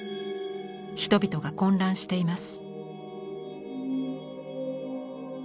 人々が混乱しています。